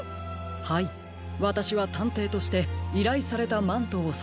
はいわたしはたんていとしていらいされたマントをさがします。